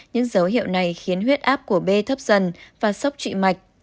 những dấu hiệu này khiến huyết áp của b thấp dần và sốc trị mạch